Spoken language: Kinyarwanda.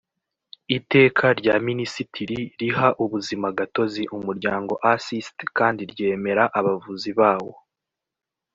iteka rya minisitiri riha ubuzimagatozi umuryango assist kandi ryemera abavuzi bawo